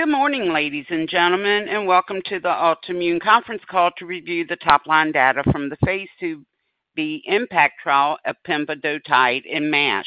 Good morning, ladies and gentlemen, and welcome to the Altimmune Conference Call to review the top-line data from the phase II-B Impact Trial of Pemvidutide and MASH.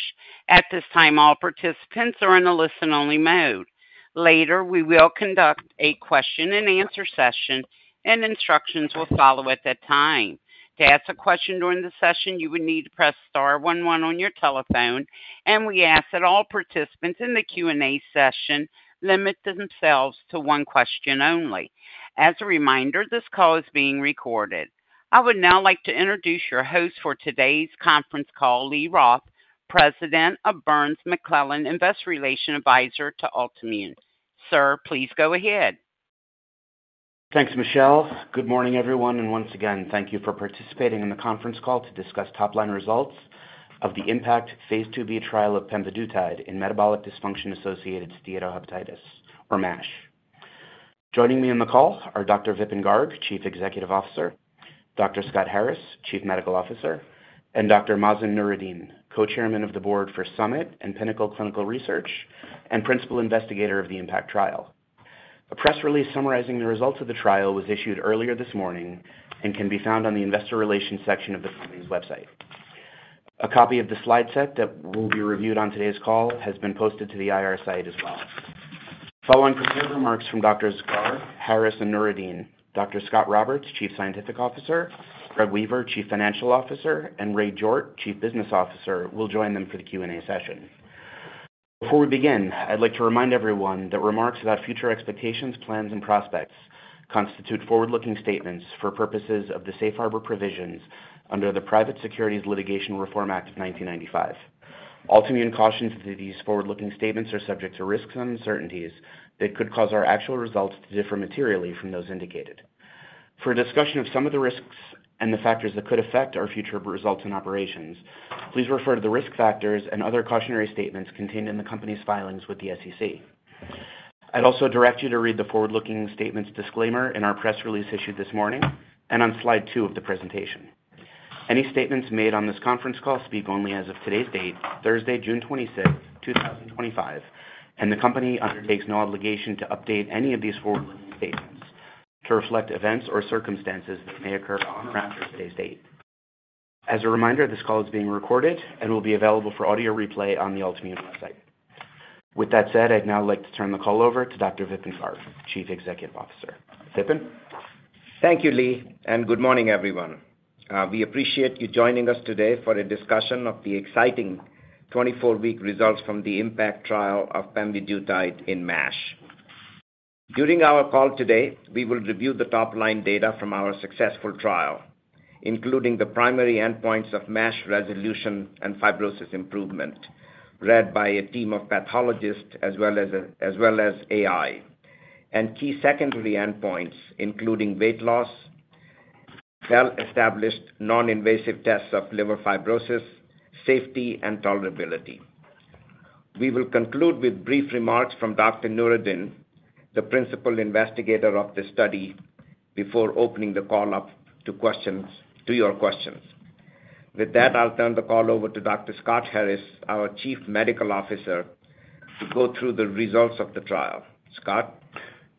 At this time, all participants are in a listen-only mode. Later, we will conduct a question-and-answer session, and instructions will follow at that time. To ask a question during the session, you would need to press star one one on your telephone, and we ask that all participants in the Q&A session limit themselves to one question only. As a reminder, this call is being recorded. I would now like to introduce your host for today's conference call, Lee Roth, President of Burns McClellan, investor relations advisor to Altimmune. Sir, please go ahead. Thanks, Michelle. Good morning, everyone, and once again, thank you for participating in the conference call to discuss top-line results of the Impact phase II-B trial of Pemvidutide in Metabolic Dysfunction-Associated Steatohepatitis, or MASH. Joining me on the call are Dr. Vipin Garg, Chief Executive Officer; Dr. Scott Harris, Chief Medical Officer; and Dr. Mazen Noureddin, Co-Chairman of the Board for Summit and Pinnacle Clinical Research and Principal Investigator of the Impact Trial. A press release summarizing the results of the trial was issued earlier this morning and can be found on the Investor Relations section of the company's website. A copy of the slide set that will be reviewed on today's call has been posted to the IR site as well. Following prepared remarks from Doctors Garg, Harris, and Noureddin, Dr. Scott Roberts, Chief Scientific Officer; Greg Weaver, Chief Financial Officer; and Ray Jordt, Chief Business Officer, will join them for the Q&A session. Before we begin, I'd like to remind everyone that remarks about future expectations, plans, and prospects constitute forward-looking statements for purposes of the Safe Harbor Provisions under the Private Securities Litigation Reform Act of 1995. Altimmune cautions that these forward-looking statements are subject to risks and uncertainties that could cause our actual results to differ materially from those indicated. For discussion of some of the risks and the factors that could affect our future results and operations, please refer to the risk factors and other cautionary statements contained in the company's filings with the SEC. I'd also direct you to read the forward-looking statements disclaimer in our press release issued this morning and on slide two of the presentation. Any statements made on this conference call speak only as of today's date, Thursday, June 26, 2025, and the company undertakes no obligation to update any of these forward-looking statements to reflect events or circumstances that may occur on or after today's date. As a reminder, this call is being recorded and will be available for audio replay on the Altimmune website. With that said, I'd now like to turn the call over to Dr. Vipin Garg, Chief Executive Officer. Vipin? Thank you, Lee, and good morning, everyone. We appreciate you joining us today for a discussion of the exciting 24-week results from the Impact Trial of Pemvidutide in MASH. During our call today, we will review the top-line data from our successful trial, including the primary endpoints of MASH resolution and fibrosis improvement, read by a team of pathologists as well as AI, and key secondary endpoints, including weight loss, well-established non-invasive tests of liver fibrosis, safety, and tolerability. We will conclude with brief remarks from Dr. Noureddin, the Principal Investigator of the study, before opening the call up to your questions. With that, I'll turn the call over to Dr. Scott Harris, our Chief Medical Officer, to go through the results of the trial. Scott?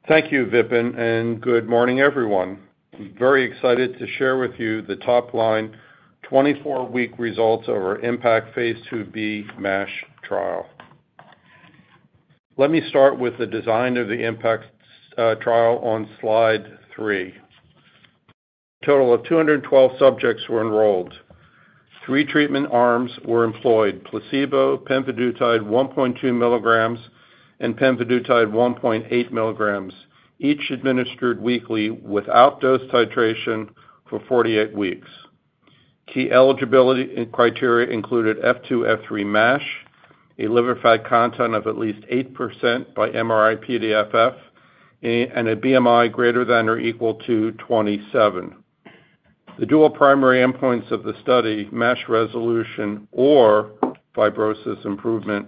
Thank you, Vipin, and good morning, everyone. I'm very excited to share with you the top-line 24-week results of our Impact phase II-B MASH trial. Let me start with the design of the Impact Trial on slide three. A total of 212 subjects were enrolled. Three treatment arms were employed: placebo, Pemvidutide 1.2 mg, and Pemvidutide 1.8 mg, each administered weekly without dose titration for 48 weeks. Key eligibility criteria included F2, F3 MASH, a liver fat content of at least 8% by MRI-PDFF, and a BMI greater than or equal to 27. The dual primary endpoints of the study, MASH resolution or fibrosis improvement,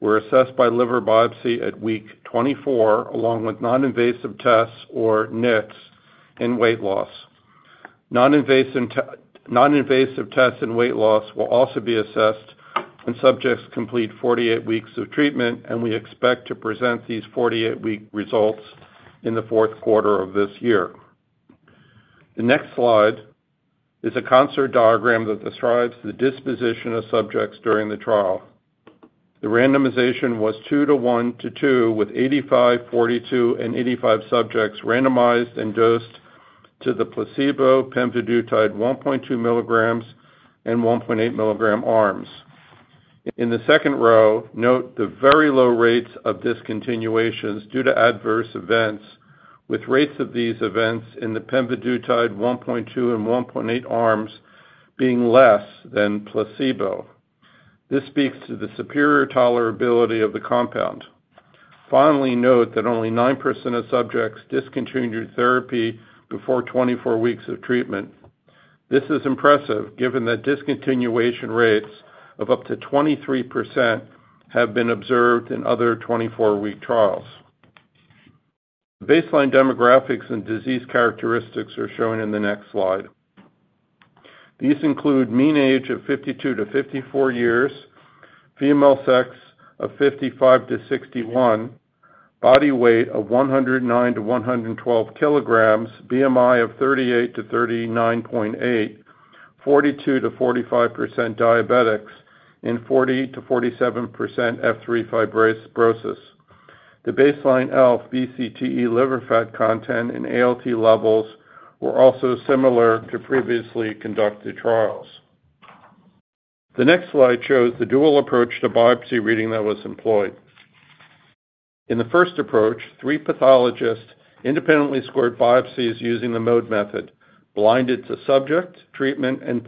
were assessed by liver biopsy at week 24, along with non-invasive tests or NITS in weight loss. Non-invasive tests and weight loss will also be assessed when subjects complete 48 weeks of treatment, and we expect to present these 48-week results in the fourth quarter of this year. The next slide is a consort diagram that describes the disposition of subjects during the trial. The randomization was 2:1:2, with 85, 42, and 85 subjects randomized and dosed to the placebo, Pemvidutide 1.2 mg, and 1.8 mg arms. In the second row, note the very low rates of discontinuations due to adverse events, with rates of these events in the Pemvidutide 1.2 and 1.8 arms being less than placebo. This speaks to the superior tolerability of the compound. Finally, note that only 9% of subjects discontinued therapy before 24 weeks of treatment. This is impressive, given that discontinuation rates of up to 23% have been observed in other 24-week trials. The baseline demographics and disease characteristics are shown in the next slide. These include mean age of 52-54 years, female sex of 55%-61%, body weight of 109 kg-112 kg, BMI of 38-39.8, 42%-45% diabetics, and 40%-47% F3 fibrosis. The baseline LFBCTE liver fat content and ALT levels were also similar to previously conducted trials. The next slide shows the dual approach to biopsy reading that was employed. In the first approach, three pathologists independently scored biopsies using the MODE method, blinded to subject, treatment, and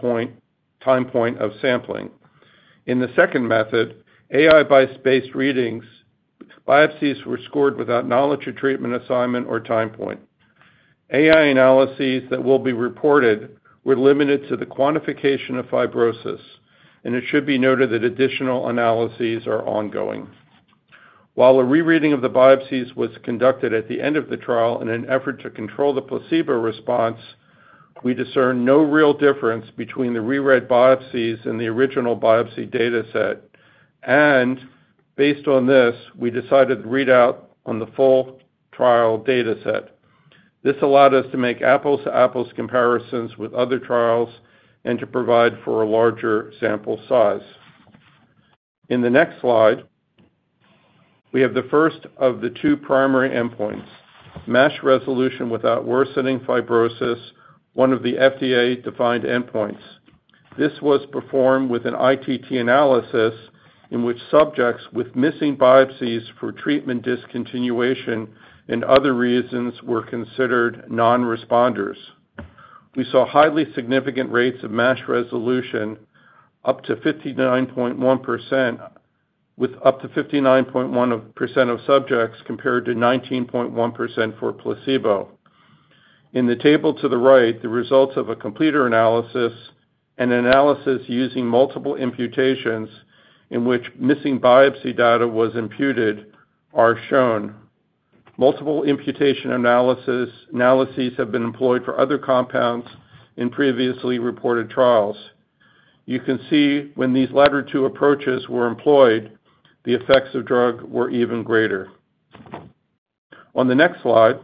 time point of sampling. In the second method, AI-based readings, biopsies were scored without knowledge of treatment assignment or time point. AI analyses that will be reported were limited to the quantification of fibrosis, and it should be noted that additional analyses are ongoing. While a rereading of the biopsies was conducted at the end of the trial in an effort to control the placebo response, we discerned no real difference between the reread biopsies and the original biopsy data set, and based on this, we decided to read out on the full trial data set. This allowed us to make apples-to-apples comparisons with other trials and to provide for a larger sample size. In the next slide, we have the first of the two primary endpoints: MASH resolution without worsening fibrosis, one of the FDA-defined endpoints. This was performed with an ITT analysis in which subjects with missing biopsies for treatment discontinuation and other reasons were considered non-responders. We saw highly significant rates of MASH resolution, up to 59.1%, with up to 59.1% of subjects compared to 19.1% for placebo. In the table to the right, the results of a completer analysis and analysis using multiple imputations in which missing biopsy data was imputed are shown. Multiple imputation analyses have been employed for other compounds in previously reported trials. You can see when these latter two approaches were employed, the effects of drug were even greater. On the next slide,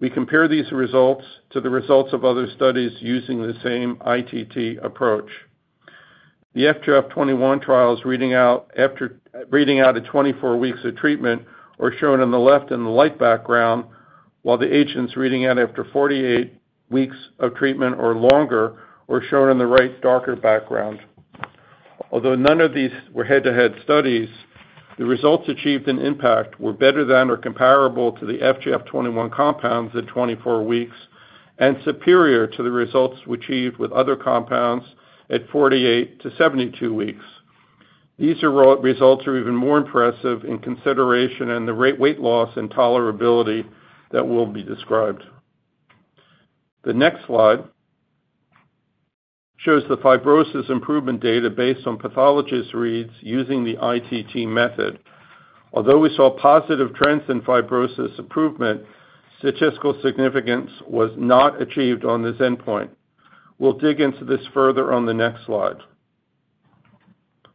we compare these results to the results of other studies using the same ITT approach. The FGF21 trials reading out after reading out at 24 weeks of treatment are shown on the left in the light background, while the agents reading out after 48 weeks of treatment or longer are shown on the right darker background. Although none of these were head-to-head studies, the results achieved in Impact were better than or comparable to the FGF21 compounds at 24 weeks and superior to the results achieved with other compounds at 48-72 weeks. These results are even more impressive in consideration of the weight loss and tolerability that will be described. The next slide shows the fibrosis improvement data based on pathologist reads using the ITT method. Although we saw positive trends in fibrosis improvement, statistical significance was not achieved on this endpoint. We'll dig into this further on the next slide.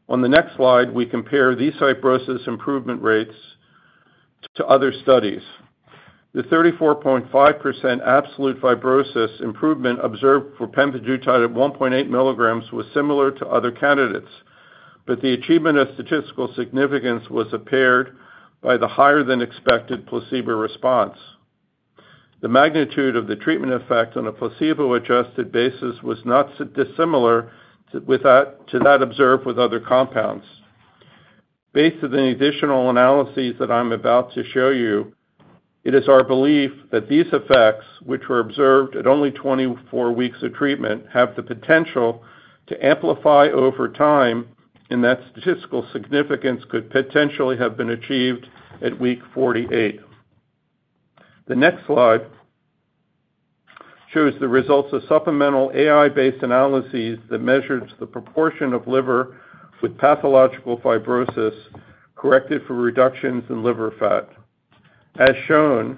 On the next slide, we compare these fibrosis improvement rates to other studies. The 34.5% absolute fibrosis improvement observed for Pemvidutide 1.8 mg was similar to other candidates, but the achievement of statistical significance was impaired by the higher-than-expected placebo response. The magnitude of the treatment effect on a placebo-adjusted basis was not dissimilar to that observed with other compounds. Based on the additional analyses that I'm about to show you, it is our belief that these effects, which were observed at only 24 weeks of treatment, have the potential to amplify over time and that statistical significance could potentially have been achieved at week 48. The next slide shows the results of supplemental AI-based analyses that measured the proportion of liver with pathological fibrosis corrected for reductions in liver fat. As shown,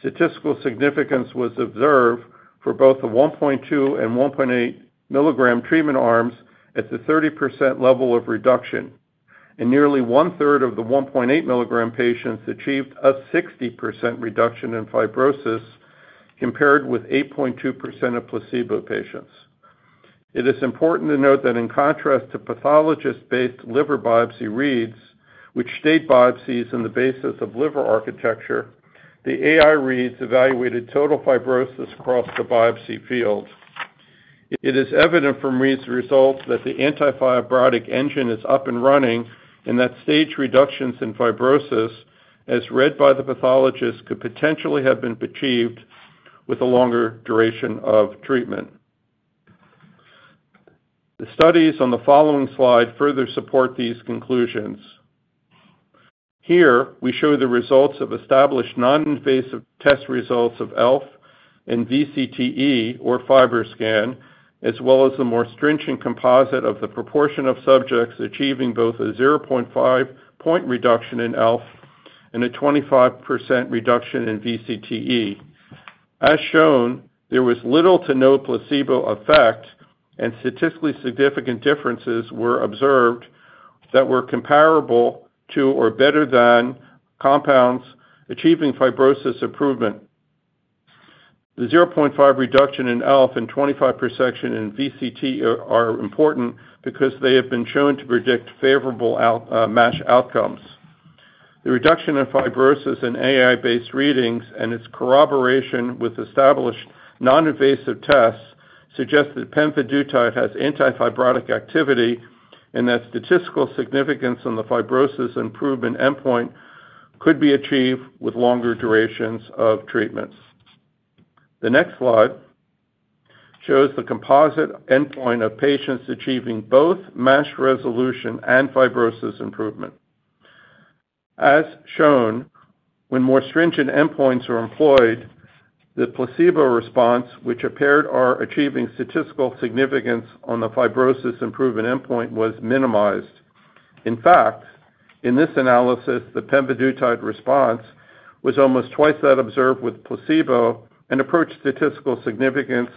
statistical significance was observed for both the 1.2 mg and 1.8 mg treatment arms at the 30% level of reduction, and nearly 1/3 of the 1.8 mg patients achieved a 60% reduction in fibrosis compared with 8.2% of placebo patients. It is important to note that in contrast to pathologist-based liver biopsy reads, which stage biopsies on the basis of liver architecture, the AI reads evaluated total fibrosis across the biopsy field. It is evident from reads results that the anti-fibrotic engine is up and running and that stage reductions in fibrosis, as read by the pathologist, could potentially have been achieved with a longer duration of treatment. The studies on the following slide further support these conclusions. Here, we show the results of established non-invasive test results of ELF and VCTE or FibroScan, as well as the more stringent composite of the proportion of subjects achieving both a 0.5-point reduction in ELF and a 25% reduction in VCTE. As shown, there was little to no placebo effect, and statistically significant differences were observed that were comparable to or better than compounds achieving fibrosis improvement. The 0.5 reduction in ELF and 25% reduction in VCTE are important because they have been shown to predict favorable MASH outcomes. The reduction in fibrosis in AI-based readings and its corroboration with established non-invasive tests suggest that Pemvidutide has anti-fibrotic activity and that statistical significance on the fibrosis improvement endpoint could be achieved with longer durations of treatments. The next slide shows the composite endpoint of patients achieving both MASH resolution and fibrosis improvement. As shown, when more stringent endpoints were employed, the placebo response, which appeared to be achieving statistical significance on the fibrosis improvement endpoint, was minimized. In fact, in this analysis, the Pemvidutide response was almost twice that observed with placebo and approached statistical significance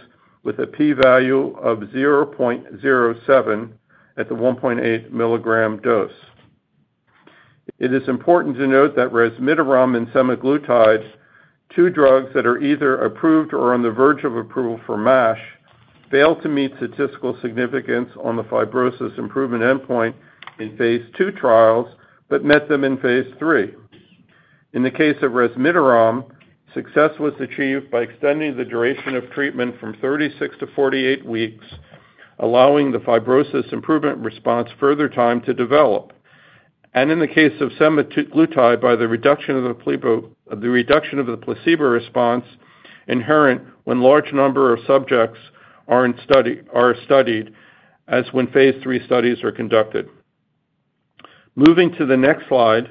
with a p-value of 0.07 at the 1.8 mg dose. It is important to note that Resmetirom and Semaglutide, two drugs that are either approved or on the verge of approval for MASH, failed to meet statistical significance on the fibrosis improvement endpoint in phase III trials but met them in phase III. In the case of Resmetirom, success was achieved by extending the duration of treatment from 36-48 weeks, allowing the fibrosis improvement response further time to develop. In the case of Semaglutide, by the reduction of the placebo response inherent when a large number of subjects are studied, as when phase III studies are conducted. Moving to the next slide,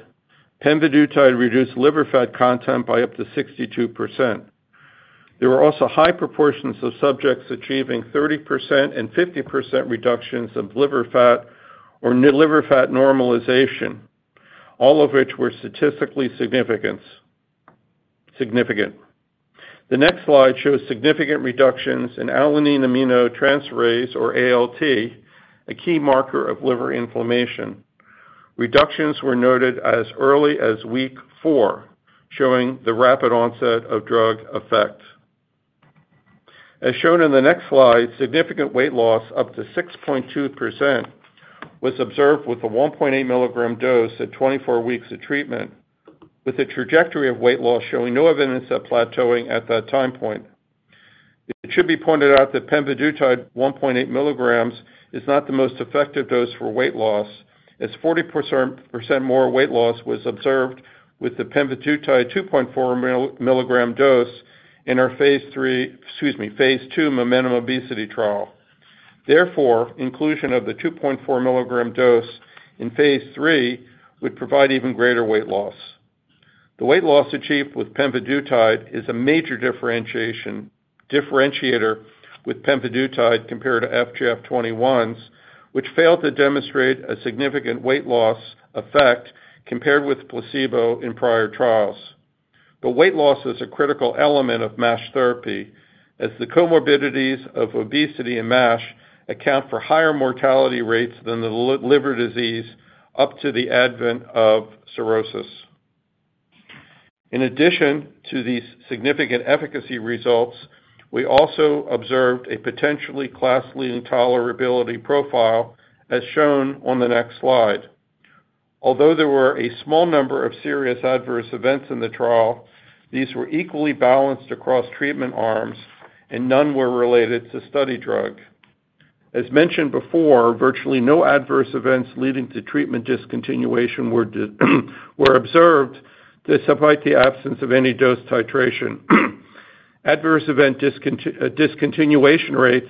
Pemvidutide reduced liver fat content by up to 62%. There were also high proportions of subjects achieving 30% and 50% reductions of liver fat or liver fat normalization, all of which were statistically significant. The next slide shows significant reductions in alanine aminotransferase, or ALT, a key marker of liver inflammation. Reductions were noted as early as week four, showing the rapid onset of drug effect. As shown in the next slide, significant weight loss up to 6.2% was observed with a 1.8 mg dose at 24 weeks of treatment, with a trajectory of weight loss showing no evidence of plateauing at that time point. It should be pointed out that Pemvidutide 1.8 mg is not the most effective dose for weight loss, as 40% more weight loss was observed with the Pemvidutide 2.4 mg dose in our phase II MOMENTUM obesity trial. Therefore, inclusion of the 2.4 mg dose in phase III would provide even greater weight loss. The weight loss achieved with Pemvidutide is a major differentiator with Pemvidutide compared to FGF21s, which failed to demonstrate a significant weight loss effect compared with placebo in prior trials. Weight loss is a critical element of MASH therapy, as the comorbidities of obesity and MASH account for higher mortality rates than the liver disease up to the advent of cirrhosis. In addition to these significant efficacy results, we also observed a potentially class-leading tolerability profile, as shown on the next slide. Although there were a small number of serious adverse events in the trial, these were equally balanced across treatment arms, and none were related to study drug. As mentioned before, virtually no adverse events leading to treatment discontinuation were observed despite the absence of any dose titration. Adverse event discontinuation rates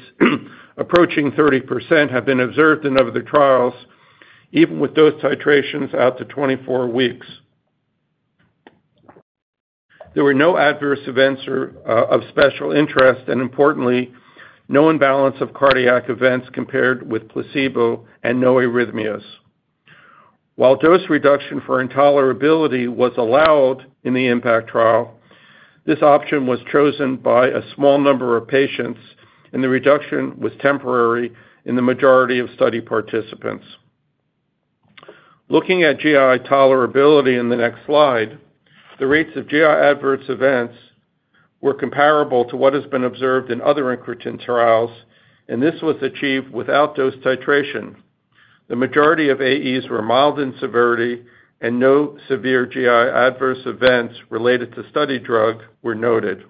approaching 30% have been observed in other trials, even with dose titrations out to 24 weeks. There were no adverse events of special interest, and importantly, no imbalance of cardiac events compared with placebo and no arrhythmias. While dose reduction for intolerability was allowed in the Impact Trial, this option was chosen by a small number of patients, and the reduction was temporary in the majority of study participants. Looking at GI tolerability in the next slide, the rates of GI adverse events were comparable to what has been observed in other incretin trials, and this was achieved without dose titration. The majority of AEs were mild in severity, and no severe GI adverse events related to study drug were noted.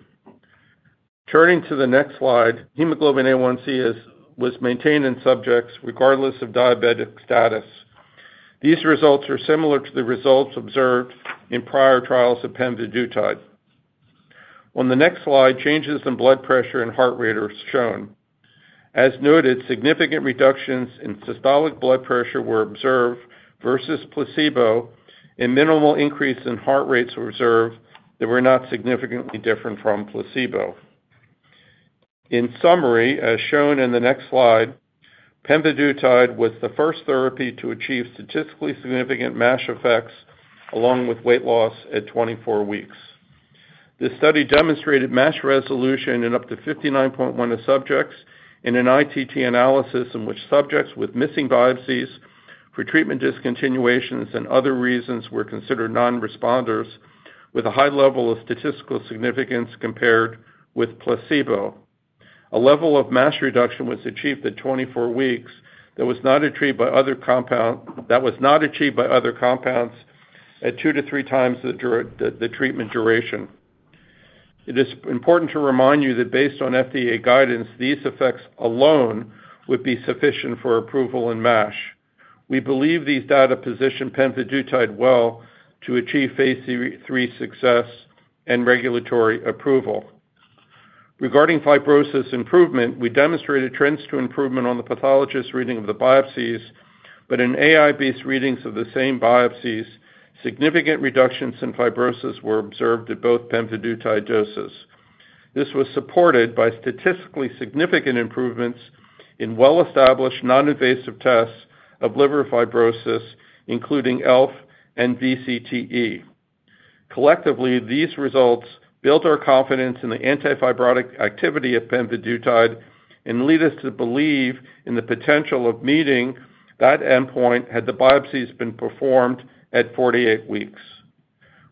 Turning to the next slide, hemoglobin A1C was maintained in subjects regardless of diabetic status. These results are similar to the results observed in prior trials of Pemvidutide. On the next slide, changes in blood pressure and heart rate are shown. As noted, significant reductions in systolic blood pressure were observed versus placebo, and minimal increase in heart rates were observed that were not significantly different from placebo. In summary, as shown in the next slide, Pemvidutide was the first therapy to achieve statistically significant MASH effects along with weight loss at 24 weeks. This study demonstrated MASH resolution in up to 59.1% of subjects in an ITT analysis in which subjects with missing biopsies for treatment discontinuations and other reasons were considered non-responders with a high level of statistical significance compared with placebo. A level of MASH reduction was achieved at 24 weeks that was not achieved by other compounds at two to three times the treatment duration. It is important to remind you that based on FDA guidance, these effects alone would be sufficient for approval in MASH. We believe these data position Pemvidutide well to achieve phase III success and regulatory approval. Regarding fibrosis improvement, we demonstrated trends to improvement on the pathologist reading of the biopsies, but in AI-based readings of the same biopsies, significant reductions in fibrosis were observed at both Pemvidutide doses. This was supported by statistically significant improvements in well-established non-invasive tests of liver fibrosis, including ELF and VCTE. Collectively, these results built our confidence in the anti-fibrotic activity of Pemvidutide and lead us to believe in the potential of meeting that endpoint had the biopsies been performed at 48 weeks.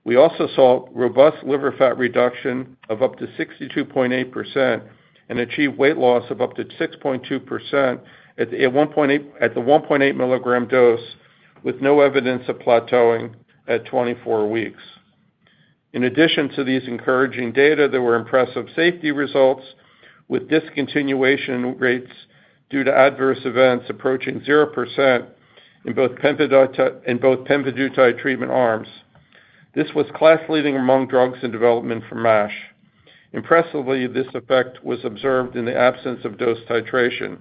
We also saw robust liver fat reduction of up to 62.8% and achieved weight loss of up to 6.2% at the 1.8 mg dose, with no evidence of plateauing at 24 weeks. In addition to these encouraging data, there were impressive safety results with discontinuation rates due to adverse events approaching 0% in both Pemvidutide treatment arms. This was class-leading among drugs in development for MASH. Impressively, this effect was observed in the absence of dose titration.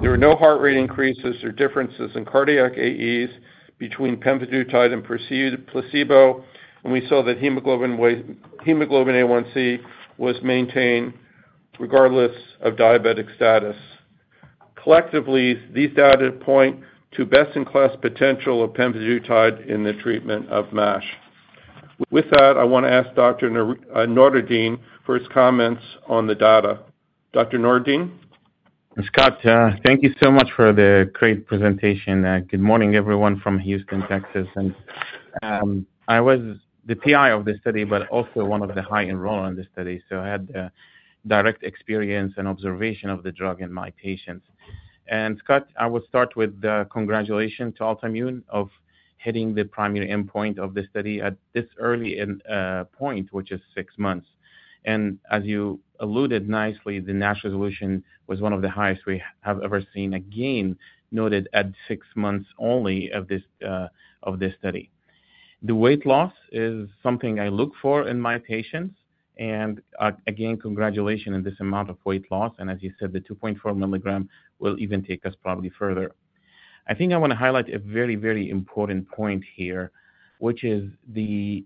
There were no heart rate increases or differences in cardiac AEs between Pemvidutide and placebo, and we saw that hemoglobin A1C was maintained regardless of diabetic status. Collectively, these data point to best-in-class potential of Pemvidutide in the treatment of MASH. With that, I want to ask Dr. Mazen Noureddin for his comments on the data. Dr. Noureddin? Scott M. Harris, thank you so much for the great presentation. Good morning, everyone from Houston, Texas. I was the PI of the study, but also one of the high enrollees in the study, so I had direct experience and observation of the drug in my patients. Scott, I will start with congratulations to Altimmune for hitting the primary endpoint of the study at this early point, which is six months. As you alluded nicely, the MASH resolution was one of the highest we have ever seen, again noted at six months only of this study. The weight loss is something I look for in my patients, and again, congratulations on this amount of weight loss. As you said, the 2.4 mg will even take us probably further. I think I want to highlight a very, very important point here, which is the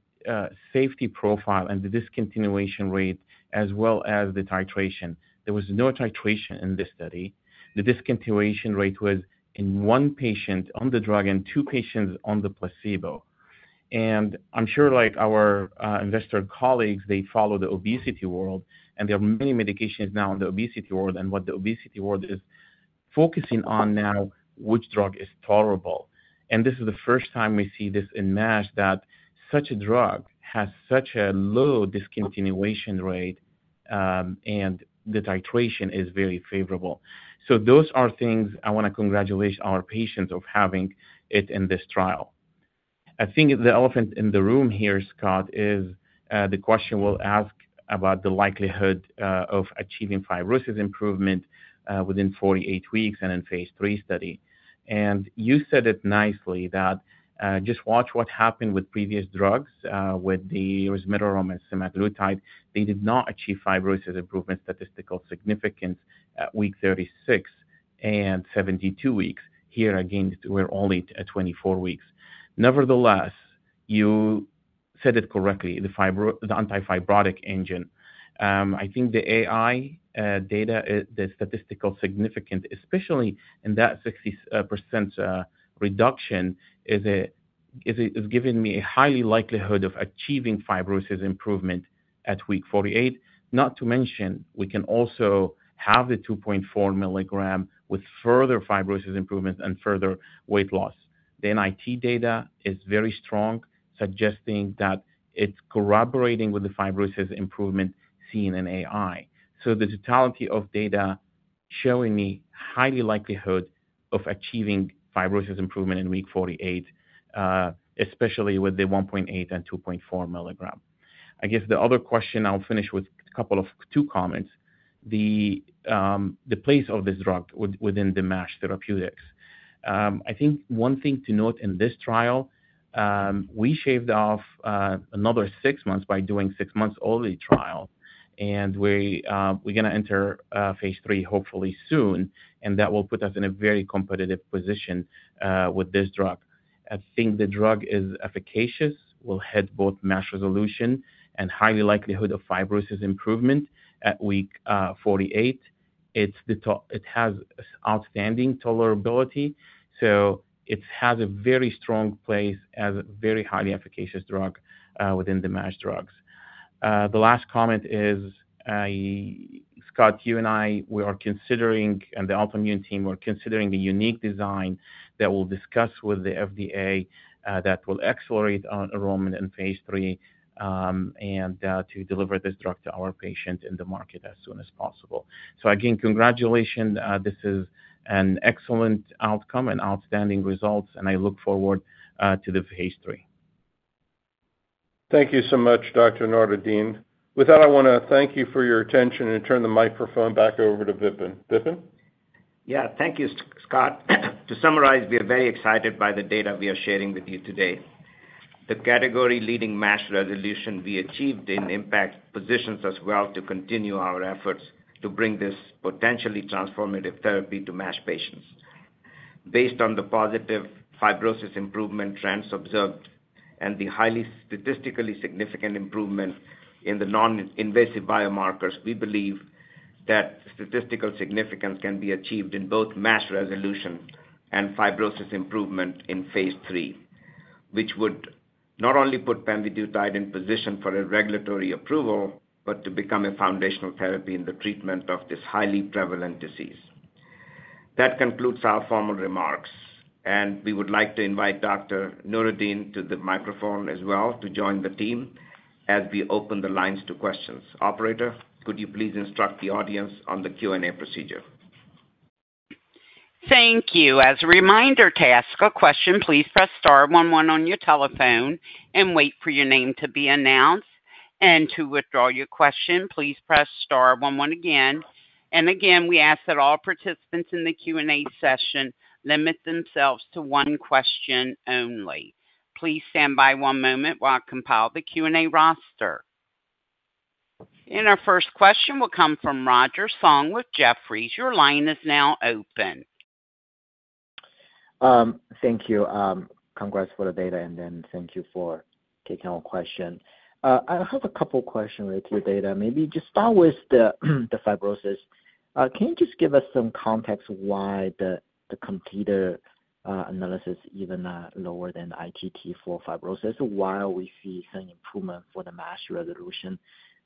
safety profile and the discontinuation rate, as well as the titration. There was no titration in this study. The discontinuation rate was in one patient on the drug and two patients on the placebo. I'm sure our investor colleagues, they follow the obesity world, and there are many medications now in the obesity world, and what the obesity world is focusing on now, which drug is tolerable. This is the first time we see this in MASH, that such a drug has such a low discontinuation rate, and the titration is very favorable. Those are things I want to congratulate our patients for having it in this trial. I think the elephant in the room here, Scott, is the question we'll ask about the likelihood of achieving fibrosis improvement within 48 weeks and in phase III study. You said it nicely that just watch what happened with previous drugs, with the Resmetirom and Semaglutide. They did not achieve fibrosis improvement statistical significance at week 36 and 72 weeks. Here, again, we're only at 24 weeks. Nevertheless, you said it correctly, the anti-fibrotic engine. I think the AI data, the statistical significance, especially in that 60% reduction, is giving me a high likelihood of achieving fibrosis improvement at week 48. Not to mention, we can also have the 2.4 mg with further fibrosis improvement and further weight loss. The NIT data is very strong, suggesting that it's corroborating with the fibrosis improvement seen in AI. The totality of data is showing me a high likelihood of achieving fibrosis improvement in week 48, especially with the 1.8 mg and 2.4 mg. I guess the other question, I'll finish with a couple of two comments: the place of this drug within the MASH therapeutics. I think one thing to note in this trial, we shaved off another six months by doing a six-month-only trial, and we're going to enter phase III, hopefully, soon, and that will put us in a very competitive position with this drug. I think the drug is efficacious, will hit both MASH resolution and high likelihood of fibrosis improvement at week 48. It has outstanding tolerability, so it has a very strong place as a very highly efficacious drug within the MASH drugs. The last comment is, Scott, you and I, we are considering, and the Altimmune team, we're considering a unique design that we'll discuss with the FDA that will accelerate enrollment in phase III and to deliver this drug to our patients in the market as soon as possible. Again, congratulations. This is an excellent outcome and outstanding results, and I look forward to the phase III. Thank you so much, Dr. Noureddin. With that, I want to thank you for your attention and turn the microphone back over to Vipin. Vipin? Yeah, thank you, Scott. To summarize, we are very excited by the data we are sharing with you today. The category-leading MASH resolution we achieved in Impact positions us well to continue our efforts to bring this potentially transformative therapy to MASH patients. Based on the positive fibrosis improvement trends observed and the highly statistically significant improvement in the non-invasive biomarkers, we believe that statistical significance can be achieved in both MASH resolution and fibrosis improvement in phase III, which would not only put Pemvidutide in position for regulatory approval, but to become a foundational therapy in the treatment of this highly prevalent disease. That concludes our formal remarks, and we would like to invite Dr. Noureddin to the microphone as well to join the team as we open the lines to questions. Operator, could you please instruct the audience on the Q&A procedure? Thank you. As a reminder to ask a question, please press star one one on your telephone and wait for your name to be announced. To withdraw your question, please press star one one again. We ask that all participants in the Q&A session limit themselves to one question only. Please stand by one moment while I compile the Q&A roster. Our first question will come from Roger Song with Jefferies. Your line is now open. Thank you. Congrats for the data, and thank you for taking our question. I have a couple of questions related to the data. Maybe just start with the fibrosis. Can you just give us some context why the computer analysis is even lower than ITT for fibrosis while we see some improvement for the MASH resolution?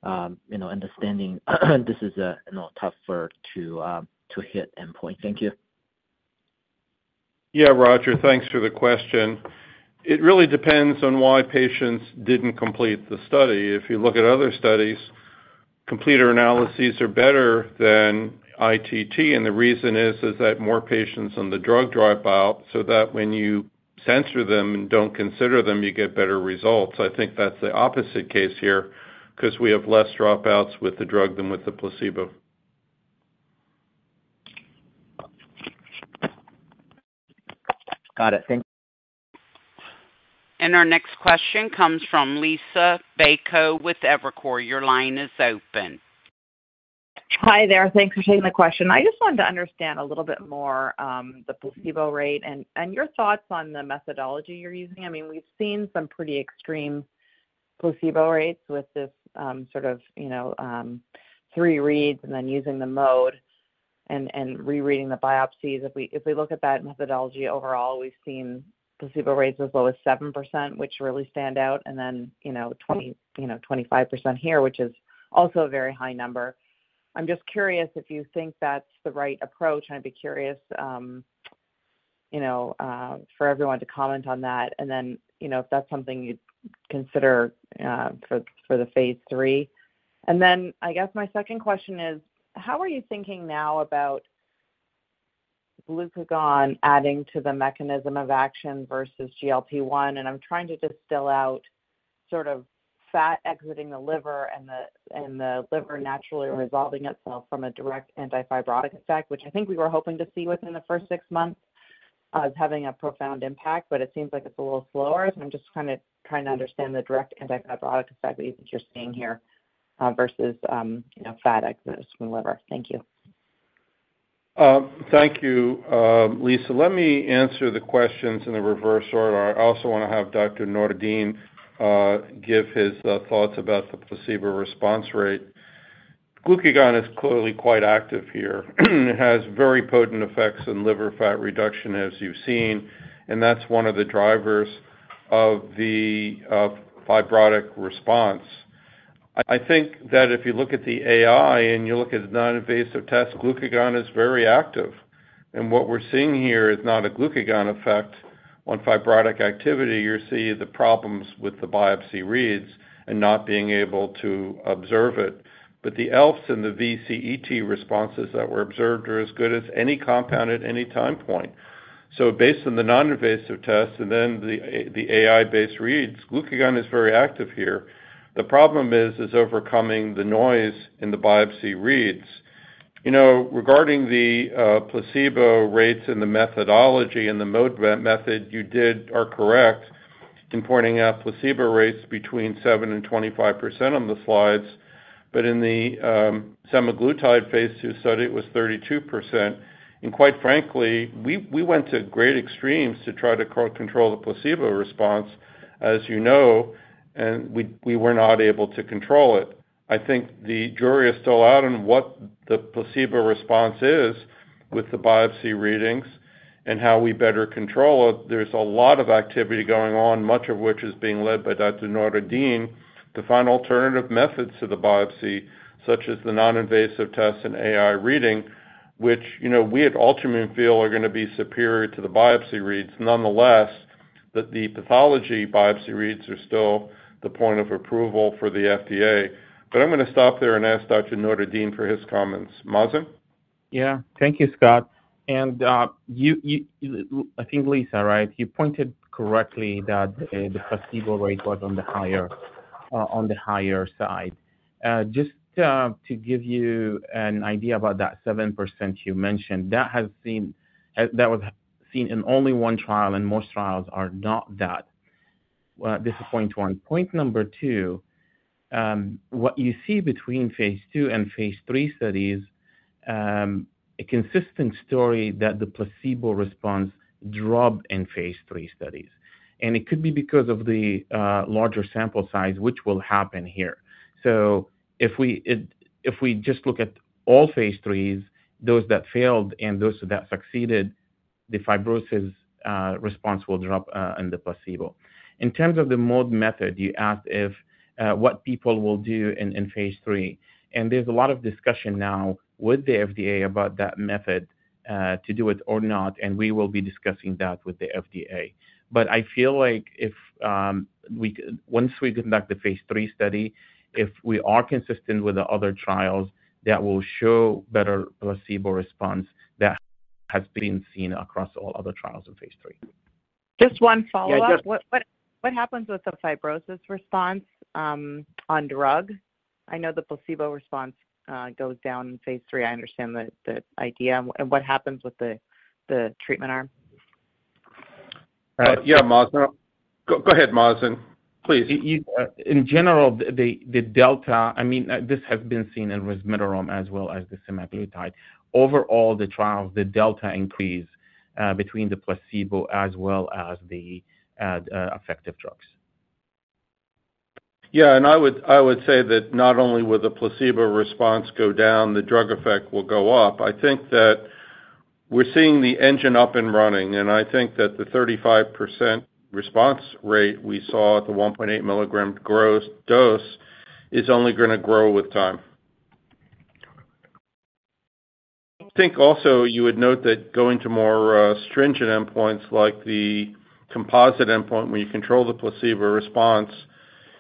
Understanding this is a tougher to hit endpoint. Thank you. Yeah, Roger, thanks for the question. It really depends on why patients did not complete the study. If you look at other studies, computer analyses are better than ITT, and the reason is that more patients on the drug drop out so that when you censor them and do not consider them, you get better results. I think that is the opposite case here because we have less dropouts with the drug than with the placebo. Got it. Thank you. Our next question comes from Liisa Bayko with Evercore. Your line is open. Hi there. Thanks for taking the question. I just wanted to understand a little bit more the placebo rate and your thoughts on the methodology you're using. I mean, we've seen some pretty extreme placebo rates with this sort of three reads and then using the mode and rereading the biopsies. If we look at that methodology overall, we've seen placebo rates as low as 7%, which really stand out, and then 25% here, which is also a very high number. I'm just curious if you think that's the right approach. I'd be curious for everyone to comment on that and if that's something you'd consider for the phase III. I guess my second question is, how are you thinking now about glucagon adding to the mechanism of action versus GLP-1? I'm trying to distill out sort of fat exiting the liver and the liver naturally resolving itself from a direct anti-fibrotic effect, which I think we were hoping to see within the first six months as having a profound impact, but it seems like it's a little slower. I'm just kind of trying to understand the direct anti-fibrotic effect that you think you're seeing here versus fat exit from the liver. Thank you. Thank you, Liisa. Let me answer the questions in the reverse order. I also want to have Dr. Noureddin give his thoughts about the placebo response rate. Glucagon is clearly quite active here. It has very potent effects in liver fat reduction, as you've seen, and that's one of the drivers of the fibrotic response. I think that if you look at the AI and you look at non-invasive tests, glucagon is very active. What we're seeing here is not a glucagon effect on fibrotic activity. You see the problems with the biopsy reads and not being able to observe it. The ELF and the VCTE responses that were observed are as good as any compound at any time point. Based on the non-invasive tests and then the AI-based reads, glucagon is very active here. The problem is overcoming the noise in the biopsy reads. Regarding the placebo rates and the methodology and the mode method, you are correct in pointing out placebo rates between 7% and 25% on the slides, but in the Semaglutide phase III study, it was 32%. Quite frankly, we went to great extremes to try to control the placebo response, as you know, and we were not able to control it. I think the jury is still out on what the placebo response is with the biopsy readings and how we better control it. There is a lot of activity going on, much of which is being led by Dr. Mazen Noureddin. The final alternative methods to the biopsy, such as the non-invasive tests and AI reading, which we at Altimmune feel are going to be superior to the biopsy reads, nonetheless, the pathology biopsy reads are still the point of approval for the FDA. I am going to stop there and ask Dr. Noureddin for his comments. Mazen? Yeah, thank you, Scott. I think Liisa, right? You pointed correctly that the placebo rate was on the higher side. Just to give you an idea about that 7% you mentioned, that was seen in only one trial, and most trials are not that disappointing. Point number two, what you see between phase II and phase III studies, a consistent story that the placebo response dropped in phase III studies. It could be because of the larger sample size, which will happen here. If we just look at all phase IIIs, those that failed and those that succeeded, the fibrosis response will drop in the placebo. In terms of the mode method, you asked what people will do in phase III. There is a lot of discussion now with the FDA about that method to do it or not, and we will be discussing that with the FDA. I feel like once we conduct the phase III study, if we are consistent with the other trials, that will show better placebo response that has been seen across all other trials in phase III. Just one follow-up. What happens with the fibrosis response on drug? I know the placebo response goes down in phase III. I understand the idea. What happens with the treatment arm? Yeah, Mazen. Go ahead, Mazen, please. In general, the delta, I mean, this has been seen in Resmetirom as well as the Semaglutide. Overall, the trial of the delta increase between the placebo as well as the effective drugs. Yeah, I would say that not only will the placebo response go down, the drug effect will go up. I think that we are seeing the engine up and running, and I think that the 35% response rate we saw at the 1.8 mg dose is only going to grow with time. I think also you would note that going to more stringent endpoints like the composite endpoint where you control the placebo response,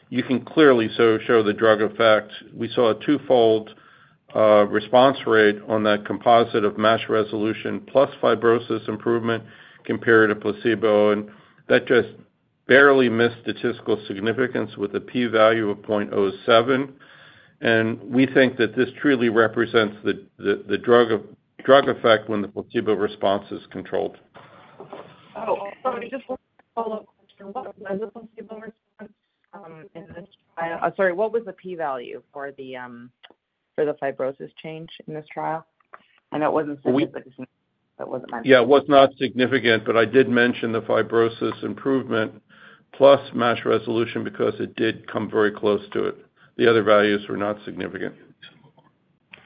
you can clearly show the drug effect. We saw a twofold response rate on that composite of MASH resolution plus fibrosis improvement compared to placebo, and that just barely missed statistical significance with a p-value of 0.07. We think that this truly represents the drug effect when the placebo response is controlled. Oh, sorry, just one follow-up question. What was the placebo response in this trial? Sorry, what was the p-value for the fibrosis change in this trial? I know it was not significant, but it was not my measure. Yeah, it was not significant, but I did mention the fibrosis improvement plus MASH resolution because it did come very close to it. The other values were not significant.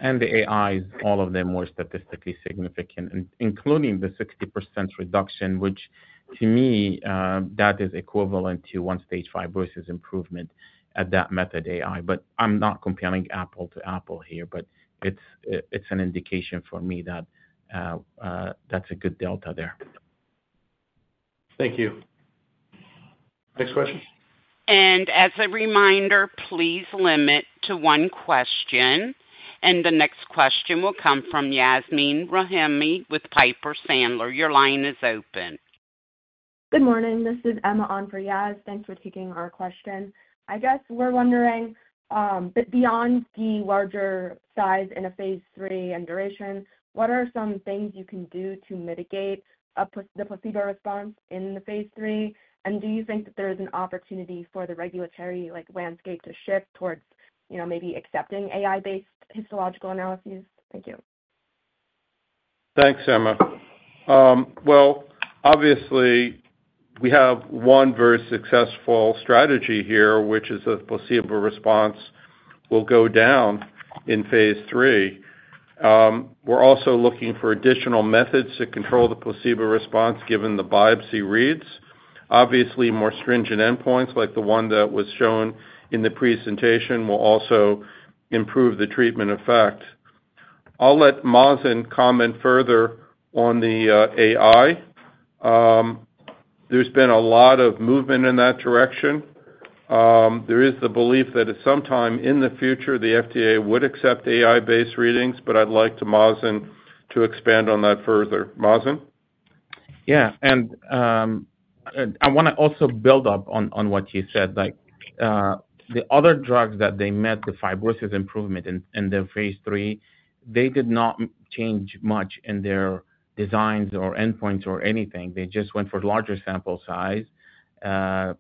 The AIs, all of them were statistically significant, including the 60% reduction, which to me, that is equivalent to one-stage fibrosis improvement at that method AI. I'm not comparing apple to apple here, but it's an indication for me that that's a good delta there. Thank you. Next question. As a reminder, please limit to one question. The next question will come from Yasmeen Rahami with Piper Sandler. Your line is open. Good morning. This is Emma on for Yaz. Thanks for taking our question. I guess we're wondering, beyond the larger size in a phase III and duration, what are some things you can do to mitigate the placebo response in the phase III? Do you think that there is an opportunity for the regulatory landscape to shift towards maybe accepting AI-based histological analyses? Thank you. Thanks, Emma. Obviously, we have one very successful strategy here, which is that placebo response will go down in phase III. We're also looking for additional methods to control the placebo response given the biopsy reads. Obviously, more stringent endpoints like the one that was shown in the presentation will also improve the treatment effect. I'll let Mazen comment further on the AI. There's been a lot of movement in that direction. There is the belief that at some time in the future, the FDA would accept AI-based readings, but I'd like Mazen to expand on that further. Mazen? Yeah. And I want to also build up on what you said. The other drugs that they met the fibrosis improvement in their phase III, they did not change much in their designs or endpoints or anything. They just went for larger sample size, longer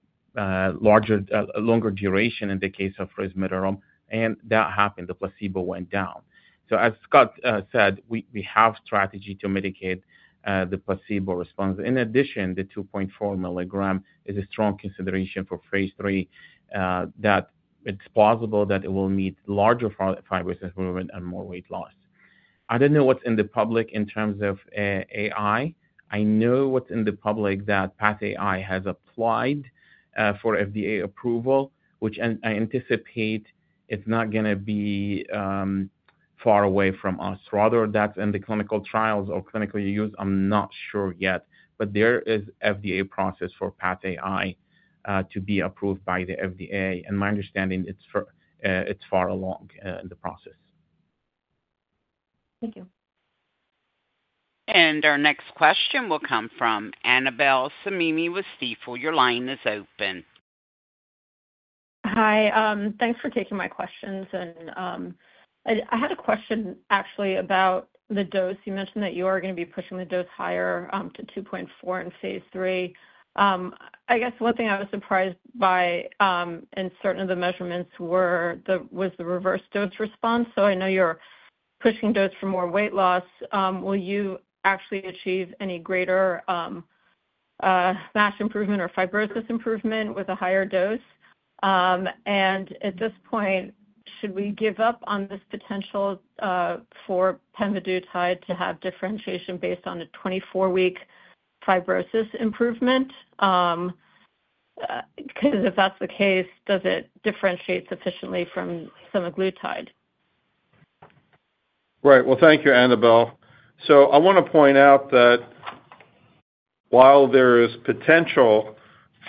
duration in the case of Resmetirom, and that happened. The placebo went down. As Scott said, we have a strategy to mitigate the placebo response. In addition, the 2.4 mg is a strong consideration for phase III, that it's plausible that it will meet larger fibrosis improvement and more weight loss. I don't know what's in the public in terms of AI. I know what's in the public that PathAI has applied for FDA approval, which I anticipate is not going to be far away from us. Rather, that's in the clinical trials or clinical use. I'm not sure yet, but there is an FDA process for PathAI to be approved by the FDA. And my understanding, it's far along in the process. Thank you. Our next question will come from Annabelle Samimi with Stifel. Your line is open. Hi. Thanks for taking my questions. I had a question, actually, about the dose. You mentioned that you are going to be pushing the dose higher to 2.4 mg in phase III. I guess one thing I was surprised by, and certainly the measurements were, was the reverse dose response. I know you're pushing dose for more weight loss. Will you actually achieve any greater MASH improvement or fibrosis improvement with a higher dose? At this point, should we give up on this potential for Pemvidutide to have differentiation based on a 24-week fibrosis improvement? Because if that's the case, does it differentiate sufficiently from Semaglutide? Right. Thank you, Annabelle. I want to point out that while there is potential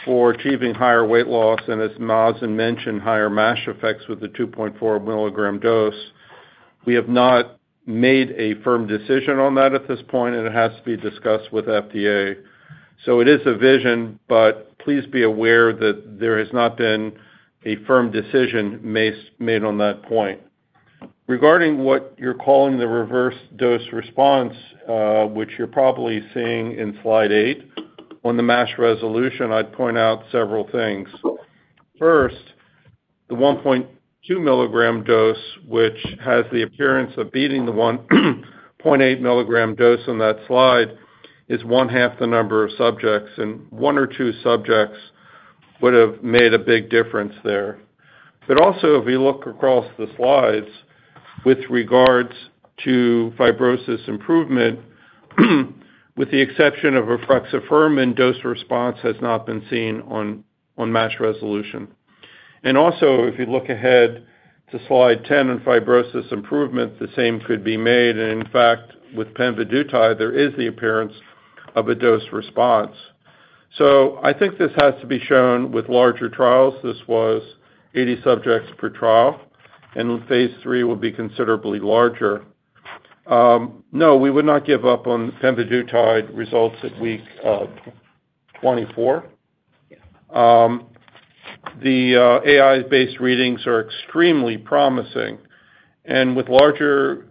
for achieving higher weight loss, and as Mazen mentioned, higher MASH effects with the 2.4 mg dose, we have not made a firm decision on that at this point, and it has to be discussed with FDA. It is a vision, but please be aware that there has not been a firm decision made on that point. Regarding what you're calling the reverse dose response, which you're probably seeing in slide eight on the MASH resolution, I'd point out several things. First, the 1.2 mg dose, which has the appearance of beating the 1.8 mg dose on that slide, is one half the number of subjects, and one or two subjects would have made a big difference there. Also, if we look across the slides with regards to fibrosis improvement, with the exception of Aflexafermin, dose response has not been seen on MASH resolution. Also, if you look ahead to slide 10 on fibrosis improvement, the same could be made. In fact, with Pemvidutide, there is the appearance of a dose response. I think this has to be shown with larger trials. This was 80 subjects per trial, and phase III will be considerably larger. No, we would not give up on Pemvidutide results at week 24. The AI-based readings are extremely promising. With larger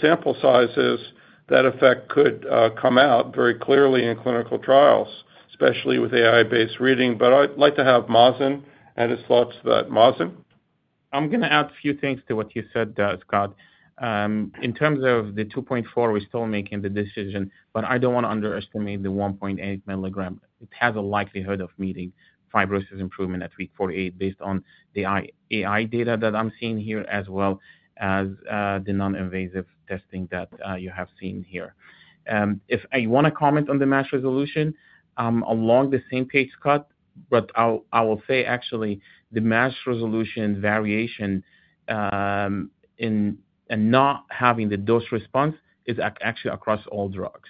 sample sizes, that effect could come out very clearly in clinical trials, especially with AI-based reading. I would like to have Mazen and his thoughts about. Mazen? I'm going to add a few things to what you said, Scott. In terms of the 2.4 mg, we're still making the decision, but I don't want to underestimate the 1.8 mg. It has a likelihood of meeting fibrosis improvement at week 48 based on the AI data that I'm seeing here, as well as the non-invasive testing that you have seen here. If I want to comment on the MASH resolution, I'm along the same page, Scott, but I will say, actually, the MASH resolution variation in not having the dose response is actually across all drugs.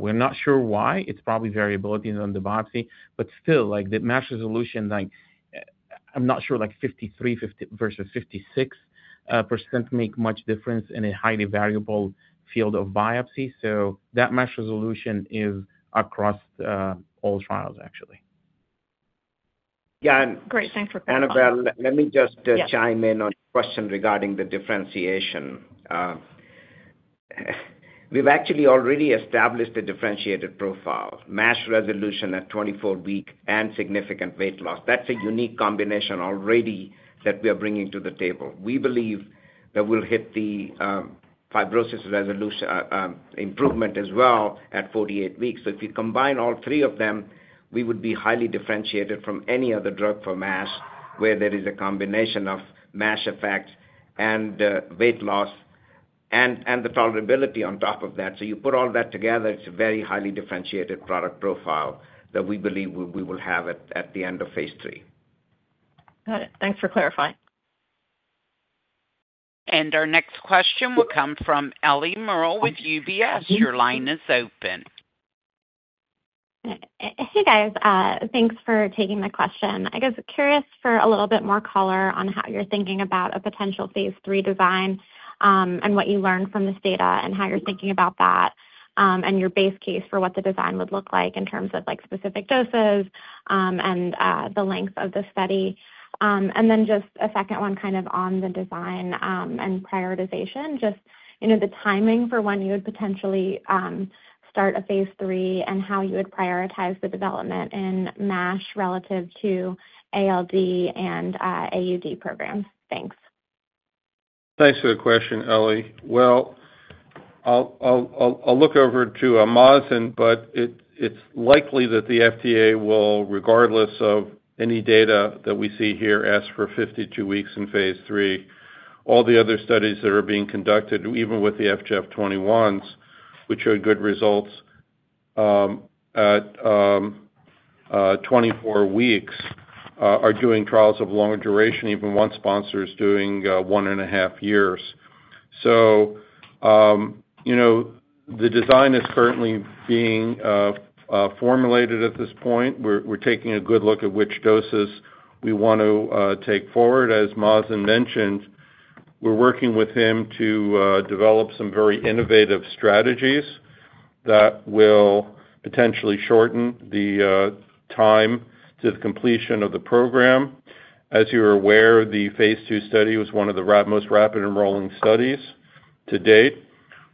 We're not sure why. It's probably variability on the biopsy. But still, the MASH resolution, I'm not sure 53% versus 56% make much difference in a highly variable field of biopsy. So that MASH resolution is across all trials, actually. Yeah. Great. Thanks for clarifying. Annabelle, let me just chime in on a question regarding the differentiation. We've actually already established a differentiated profile, MASH resolution at 24 weeks and significant weight loss. That's a unique combination already that we are bringing to the table. We believe that we'll hit the fibrosis improvement as well at 48 weeks. If you combine all three of them, we would be highly differentiated from any other drug for MASH where there is a combination of MASH effects and weight loss and the tolerability on top of that. You put all that together, it's a very highly differentiated product profile that we believe we will have at the end of phase III. Got it. Thanks for clarifying. Our next question will come from Ellie Merle with UBS. Your line is open. Hey, guys. Thanks for taking my question. I guess curious for a little bit more color on how you're thinking about a potential phase III design and what you learned from this data and how you're thinking about that and your base case for what the design would look like in terms of specific doses and the length of the study. Then just a second one kind of on the design and prioritization, just the timing for when you would potentially start a phase III and how you would prioritize the development in MASH relative to ALD and AUD programs. Thanks. Thanks for the question, Ellie. I'll look over to Mazen, but it's likely that the FDA will, regardless of any data that we see here, ask for 52 weeks in phase III. All the other studies that are being conducted, even with the FGF21s, which showed good results at 24 weeks, are doing trials of longer duration, even one sponsor is doing one and a half years. The design is currently being formulated at this point. We're taking a good look at which doses we want to take forward. As Mazen mentioned, we're working with him to develop some very innovative strategies that will potentially shorten the time to the completion of the program. As you're aware, the phase II study was one of the most rapid enrolling studies to date.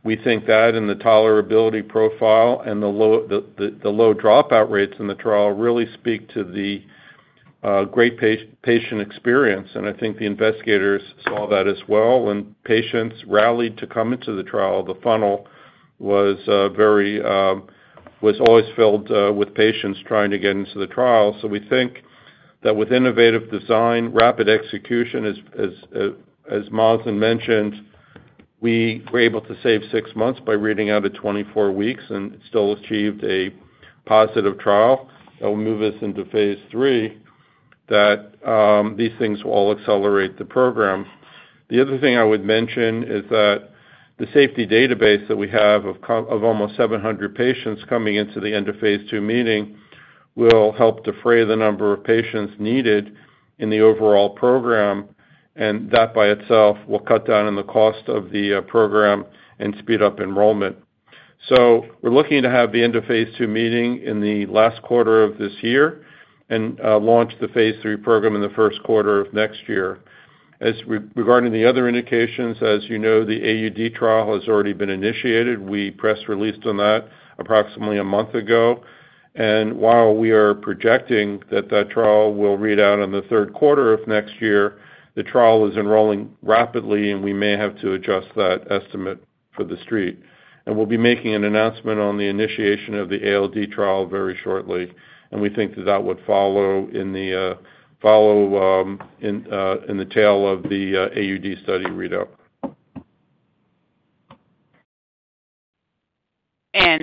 We think that the tolerability profile and the low dropout rates in the trial really speak to the great patient experience. I think the investigators saw that as well. When patients rallied to come into the trial, the funnel was always filled with patients trying to get into the trial. We think that with innovative design, rapid execution, as Mazen mentioned, we were able to save six months by reading out at 24 weeks, and it still achieved a positive trial that will move us into phase III. These things will all accelerate the program. The other thing I would mention is that the safety database that we have of almost 700 patients coming into the end of phase II meeting will help defray the number of patients needed in the overall program. That by itself will cut down on the cost of the program and speed up enrollment. We are looking to have the end of phase II meeting in the last quarter of this year and launch the phase III program in the first quarter of next year. Regarding the other indications, as you know, the AUD trial has already been initiated. We press released on that approximately a month ago. While we are projecting that trial will read out in the third quarter of next year, the trial is enrolling rapidly, and we may have to adjust that estimate for the street. We will be making an announcement on the initiation of the ALD trial very shortly. We think that would follow in the tail of the AUD study readout.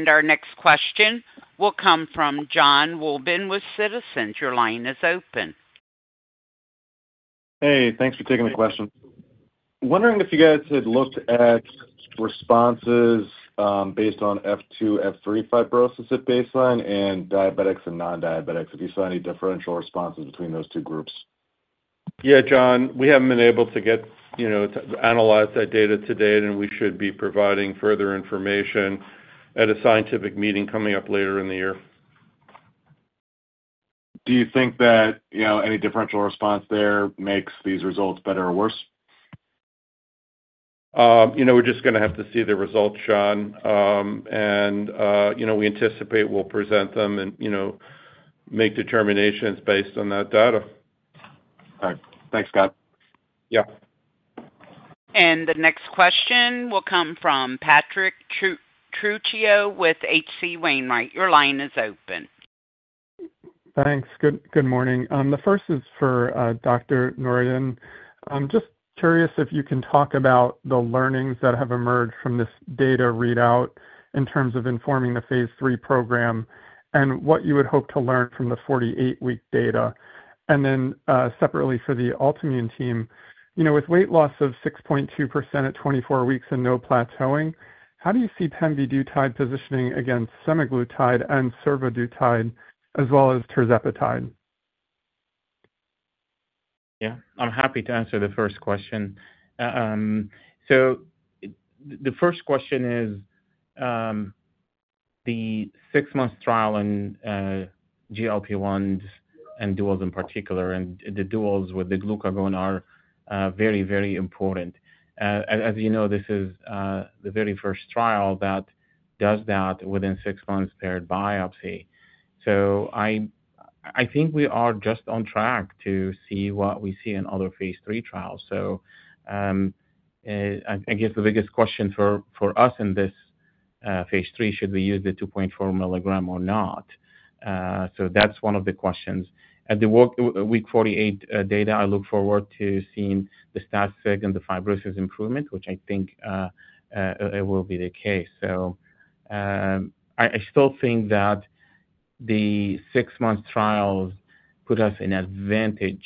Our next question will come from John Wolleben with Citizen. Your line is open. Hey, thanks for taking the question. Wondering if you guys had looked at responses based on F2, F3 fibrosis at baseline and diabetics and non-diabetics, if you saw any differential responses between those two groups. Yeah, John, we haven't been able to analyze that data to date, and we should be providing further information at a scientific meeting coming up later in the year. Do you think that any differential response there makes these results better or worse? We're just going to have to see the results, John. We anticipate we'll present them and make determinations based on that data. All right. Thanks, Scott. Yeah. The next question will come from Patrick Trucchio with H.C. Wainwright. Your line is open. Thanks. Good morning. The first is for Dr. Noureddin. Just curious if you can talk about the learnings that have emerged from this data readout in terms of informing the phase III program and what you would hope to learn from the 48-week data. Then separately for the Altimmune team, with weight loss of 6.2% at 24 weeks and no plateauing, how do you see Pemvidutide positioning against Semaglutide and Survodutide as well as Tirzepatide? Yeah. I'm happy to answer the first question. The first question is the six-month trial in GLP-1s and duals in particular. The duals with the glucagon are very, very important. As you know, this is the very first trial that does that within six months paired biopsy. I think we are just on track to see what we see in other phase III trials. I guess the biggest question for us in this phase III is should we use the 2.4 mg or not? That is one of the questions. At the week 48 data, I look forward to seeing the STATSIG and the fibrosis improvement, which I think will be the case. I still think that the six-month trials put us in advantage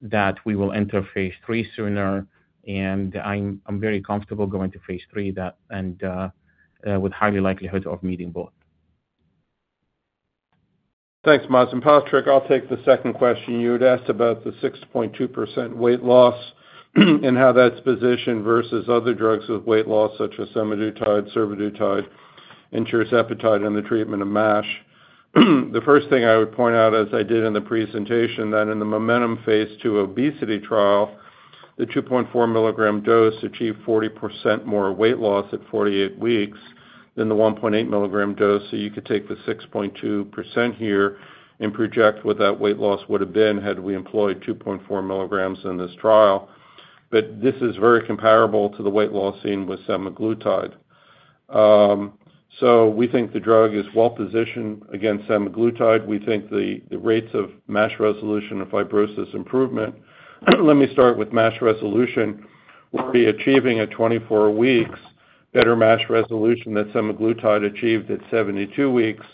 that we will enter phase III sooner. I am very comfortable going to phase III and with a high likelihood of meeting both. Thanks, Mazen. Patrick, I'll take the second question. You had asked about the 6.2% weight loss and how that's positioned versus other drugs with weight loss such as Semaglutide, Survodutide, and Tirzepatide in the treatment of MASH. The first thing I would point out, as I did in the presentation, is that in the MOMENTUM phase II obesity trial, the 2.4 mg dose achieved 40% more weight loss at 48 weeks than the 1.8 mg dose. You could take the 6.2% here and project what that weight loss would have been had we employed 2.4 mg in this trial. This is very comparable to the weight loss seen with Semaglutide. We think the drug is well positioned against Semaglutide. We think the rates of MASH resolution and fibrosis improvement—let me start with MASH resolution—would be achieving at 24 weeks better MASH resolution than Semaglutide achieved at 72 weeks.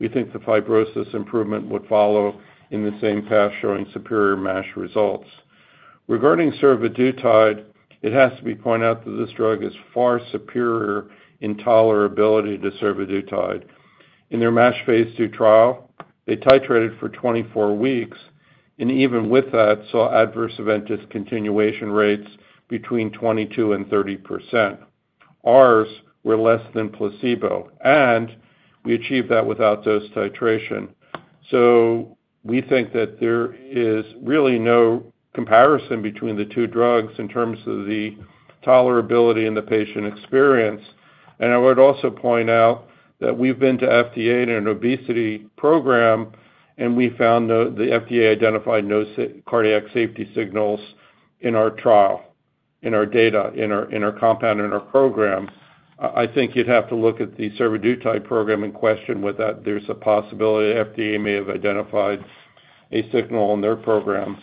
We think the fibrosis improvement would follow in the same path, showing superior MASH results. Regarding Survodutide, it has to be pointed out that this drug is far superior in tolerability to Survodutide. In their MASH phase II trial, they titrated for 24 weeks. Even with that, saw adverse event discontinuation rates between 22% and 30%. Ours were less than placebo. We achieved that without dose titration. We think that there is really no comparison between the two drugs in terms of the tolerability and the patient experience. I would also point out that we've been to FDA in an obesity program, and we found the FDA identified no cardiac safety signals in our trial, in our data, in our compound, in our program. I think you'd have to look at the Survodutide program in question with that. There's a possibility the FDA may have identified a signal in their program.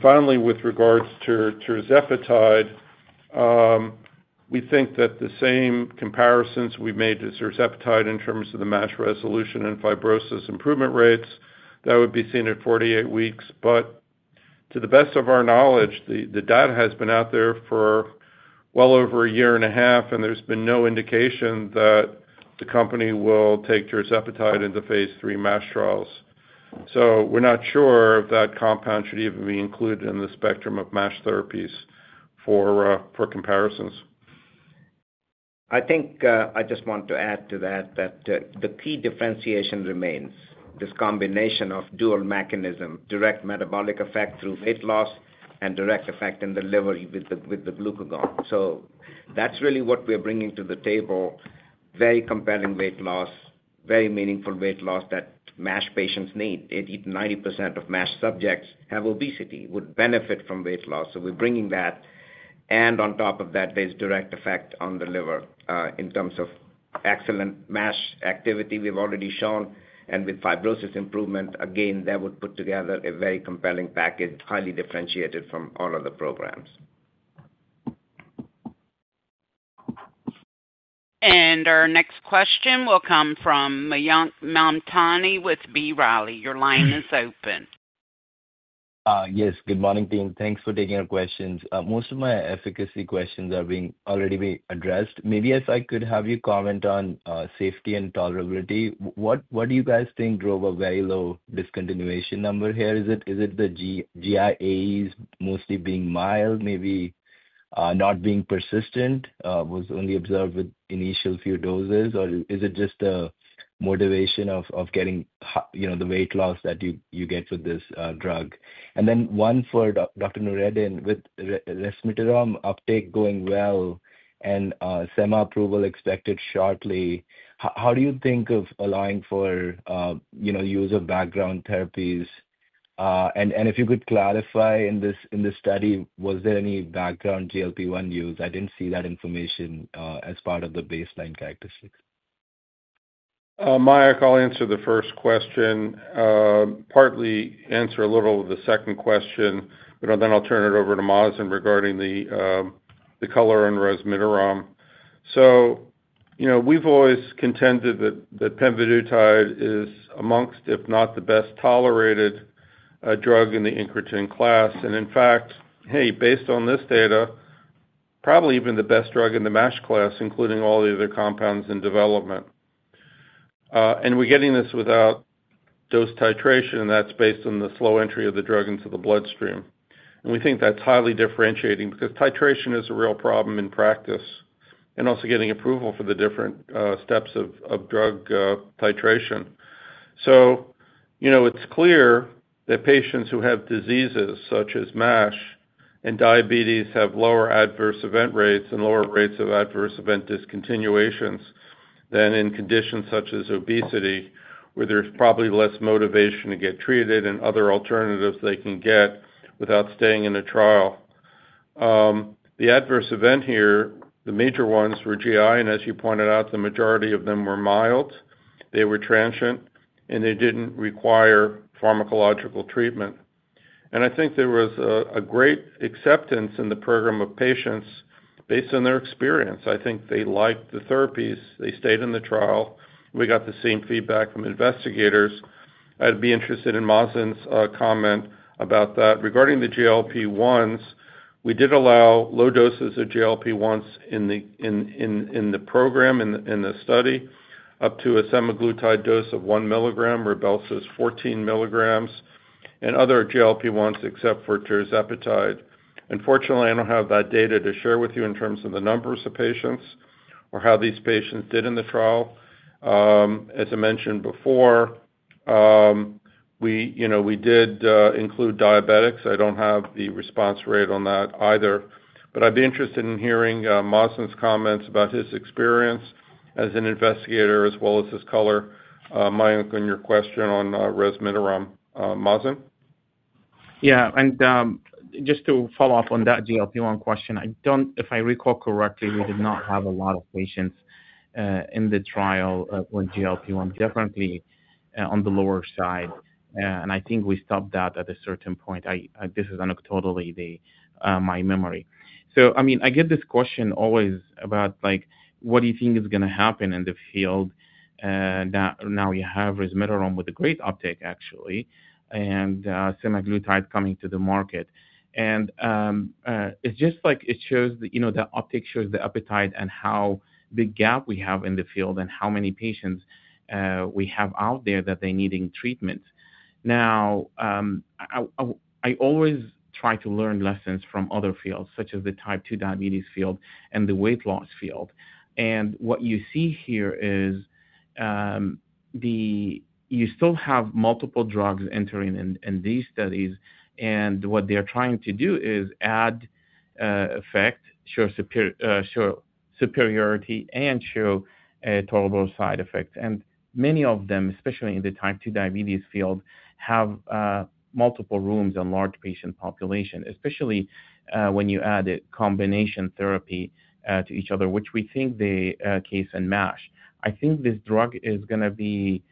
Finally, with regards to Tirzepatide, we think that the same comparisons we made to Tirzepatide in terms of the MASH resolution and fibrosis improvement rates, that would be seen at 48 weeks. To the best of our knowledge, the data has been out there for well over a year and a half, and there's been no indication that the company will take Tirzepatide into phase III MASH trials. We're not sure if that compound should even be included in the spectrum of MASH therapies for comparisons. I think I just want to add to that that the key differentiation remains: this combination of dual mechanism, direct metabolic effect through weight loss and direct effect in the liver with the glucagon. That's really what we're bringing to the table: very compelling weight loss, very meaningful weight loss that MASH patients need. 80%-90% of MASH subjects have obesity, would benefit from weight loss. We are bringing that. On top of that, there is direct effect on the liver in terms of excellent MASH activity we have already shown. With fibrosis improvement, again, that would put together a very compelling package, highly differentiated from all other programs. Our next question will come from Mayank Mamtani with B. Riley. Your line is open. Yes. Good morning, team. Thanks for taking our questions. Most of my efficacy questions have already been addressed. Maybe if I could have you comment on safety and tolerability, what do you guys think drove a very low discontinuation number here? Is it the GI AEs mostly being mild, maybe not being persistent, was only observed with initial few doses, or is it just the motivation of getting the weight loss that you get with this drug? One for Dr. Noureddin, with Resmetirom uptake going well and Sema approval expected shortly, how do you think of allowing for use of background therapies? And if you could clarify in this study, was there any background GLP-1 use? I did not see that information as part of the baseline characteristics. Mayank, I will answer the first question, partly answer a little of the second question, but then I will turn it over to Mazen regarding the color on Resmetirom. We have always contended that Pemvidutide is amongst, if not the best tolerated drug in the incretin class. In fact, based on this data, probably even the best drug in the MASH class, including all the other compounds in development. We are getting this without dose titration, and that is based on the slow entry of the drug into the bloodstream. We think that's highly differentiating because titration is a real problem in practice and also getting approval for the different steps of drug titration. It is clear that patients who have diseases such as MASH and diabetes have lower adverse event rates and lower rates of adverse event discontinuations than in conditions such as obesity, where there is probably less motivation to get treated and other alternatives they can get without staying in a trial. The adverse event here, the major ones were GI, and as you pointed out, the majority of them were mild. They were transient, and they did not require pharmacological treatment. I think there was a great acceptance in the program of patients based on their experience. I think they liked the therapies. They stayed in the trial. We got the same feedback from investigators. I would be interested in Mazen's comment about that. Regarding the GLP-1s, we did allow low doses of GLP-1s in the program, in the study, up to a Semaglutide dose of 1 mg, Rybelsus 14 mg, and other GLP-1s except for Tirzepatide. Unfortunately, I do not have that data to share with you in terms of the numbers of patients or how these patients did in the trial. As I mentioned before, we did include diabetics. I do not have the response rate on that either. I would be interested in hearing Mazen's comments about his experience as an investigator as well as his color, Mayank, on your question on Resmetirom. Mazen? Yeah. Just to follow up on that GLP-1 question, if I recall correctly, we did not have a lot of patients in the trial with GLP-1, definitely on the lower side. I think we stopped that at a certain point. This is anecdotally, my memory. I mean, I get this question always about what do you think is going to happen in the field now you have Resmetirom with a great uptake, actually, and Semaglutide coming to the market. It just shows the uptake, shows the appetite and how big a gap we have in the field and how many patients we have out there that they're needing treatment. I always try to learn lessons from other fields, such as the type-2 diabetes field and the weight loss field. What you see here is you still have multiple drugs entering in these studies. What they're trying to do is add effect, show superiority, and show tolerable side effects. Many of them, especially in the type-2 diabetes field, have multiple rooms and large patient population, especially when you add a combination therapy to each other, which we think the case in MASH. I think this drug is going to be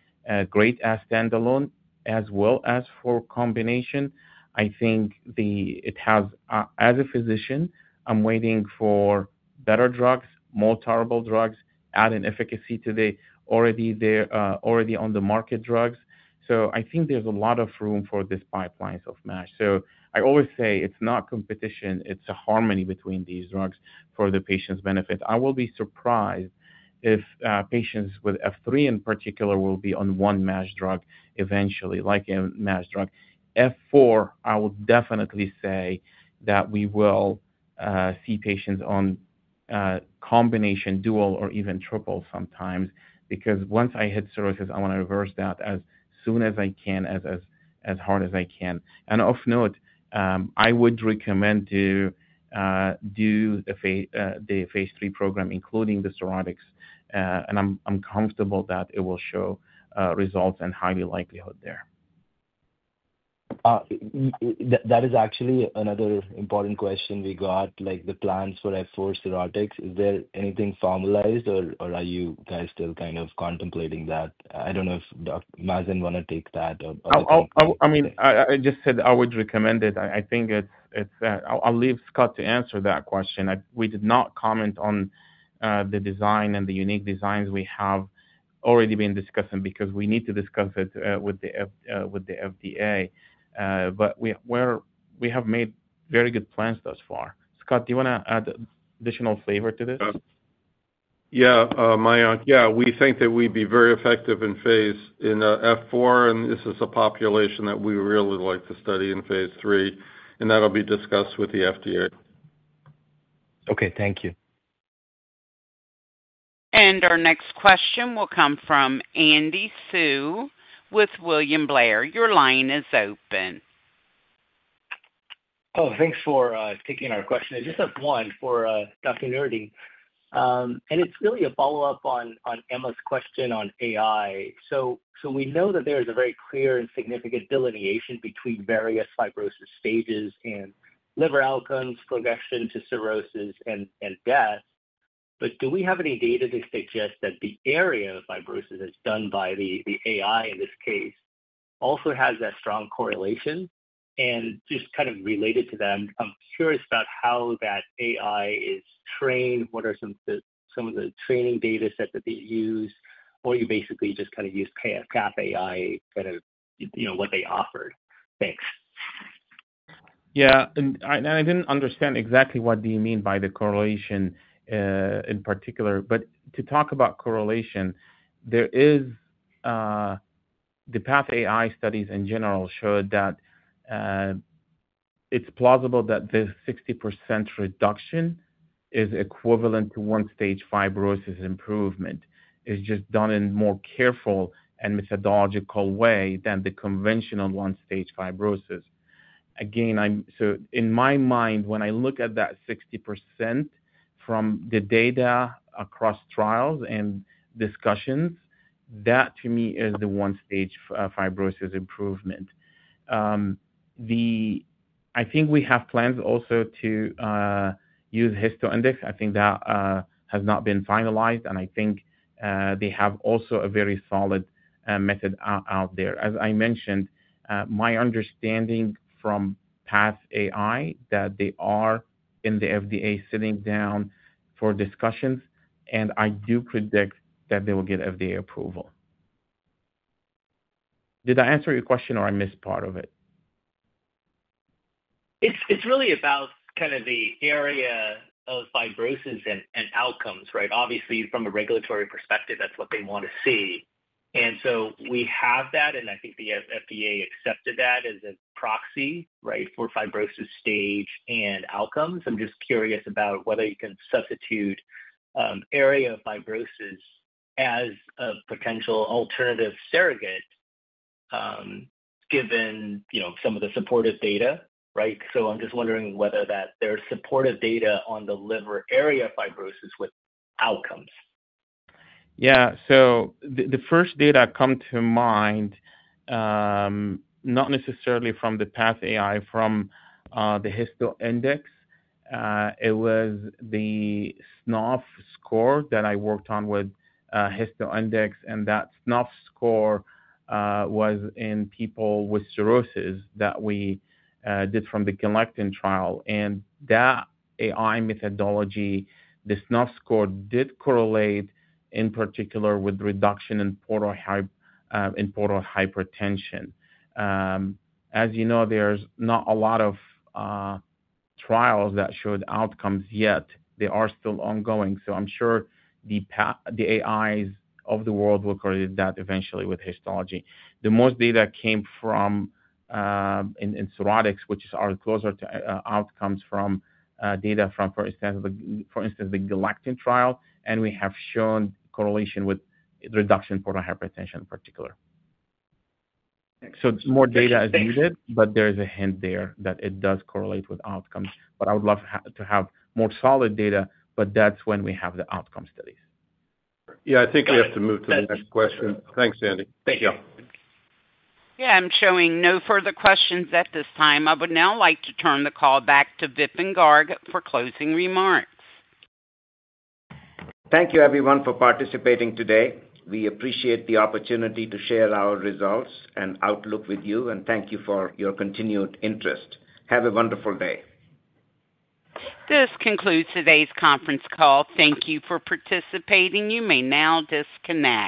great as standalone as well as for combination. I think it has, as a physician, I'm waiting for better drugs, more tolerable drugs, adding efficacy to the already on-the-market drugs. I think there's a lot of room for these pipelines of MASH. I always say it's not competition. It's a harmony between these drugs for the patient's benefit. I will be surprised if patients with F3 in particular will be on one MASH drug eventually, like a MASH drug. F4, I will definitely say that we will see patients on combination, dual, or even triple sometimes because once I hit cirrhosis, I want to reverse that as soon as I can, as hard as I can. Of note, I would recommend to do the phase III program, including the cirrhotics. I am comfortable that it will show results and highly likelihood there. That is actually another important question we got, like the plans for F4 cirrhotics. Is there anything formalized, or are you guys still kind of contemplating that? I do not know if Mazen want to take that or. I mean, I just said I would recommend it. I think it is—I will leave Scott to answer that question. We did not comment on the design and the unique designs we have already been discussing because we need to discuss it with the FDA. We have made very good plans thus far. Scott, do you want to add additional flavor to this? Yeah. Mayank, yeah. We think that we'd be very effective in phase in F4. This is a population that we really like to study in phase III. That will be discussed with the FDA. Okay. Thank you. Our next question will come from Andy Hsieh with William Blair. Your line is open. Oh, thanks for taking our question. I just have one for Dr. Noureddin. It is really a follow-up on Emma's question on AI. We know that there is a very clear and significant delineation between various fibrosis stages and liver outcomes, progression to cirrhosis and death. Do we have any data to suggest that the area of fibrosis that is done by the AI in this case also has that strong correlation? Just kind of related to that, I'm curious about how that AI is trained. What are some of the training data sets that they use? Or you basically just kind of use PathAI, kind of what they offered. Thanks. Yeah. I didn't understand exactly what you mean by the correlation in particular. To talk about correlation, the PathAI studies in general showed that it's plausible that the 60% reduction is equivalent to one-stage fibrosis improvement. It's just done in a more careful and methodological way than the conventional one-stage fibrosis. Again, in my mind, when I look at that 60% from the data across trials and discussions, that to me is the one-stage fibrosis improvement. I think we have plans also to use HistoIndex. I think that has not been finalized. I think they have also a very solid method out there. As I mentioned, my understanding from PathAI is that they are in the FDA sitting down for discussions. I do predict that they will get FDA approval. Did I answer your question, or did I miss part of it? It is really about kind of the area of fibrosis and outcomes, right? Obviously, from a regulatory perspective, that is what they want to see. We have that. I think the FDA accepted that as a proxy, right, for fibrosis stage and outcomes. I am just curious about whether you can substitute area of fibrosis as a potential alternative surrogate given some of the supportive data, right? I am just wondering whether there is supportive data on the liver area of fibrosis with outcomes. Yeah. The first data that come to mind, not necessarily from PathAI, are from HistoIndex. It was the SNOF score that I worked on with HistoIndex. That SNOF score was in people with cirrhosis that we did from the Galactan trial. That AI methodology, the SNOF score, did correlate in particular with reduction in portal hypertension. As you know, there are not a lot of trials that showed outcomes yet. They are still ongoing. I'm sure the AIs of the world will correlate that eventually with histology. The most data came from in cirrhotics, which is our closer outcomes from data from, for instance, the Galactan trial. We have shown correlation with reduction in portal hypertension in particular. More data is needed, but there is a hint there that it does correlate with outcomes. I would love to have more solid data, but that's when we have the outcome studies. Yeah. I think we have to move to the next question. Thanks, Andy. Thank you. Yeah. I'm showing no further questions at this time. I would now like to turn the call back to Vipin Garg for closing remarks. Thank you, everyone, for participating today. We appreciate the opportunity to share our results and outlook with you. Thank you for your continued interest. Have a wonderful day. This concludes today's conference call. Thank you for participating. You may now disconnect.